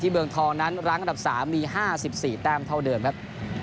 ที่เมืองทองนั้นร้านข้างดับ๓มี๕๔แต้มเท่าเดิมครับ